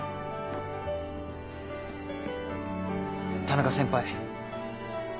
田中先輩。